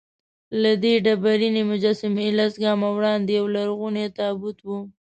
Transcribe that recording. له دغه ډبرینې مجسمې لس ګامه وړاندې یولرغونی تابوت و.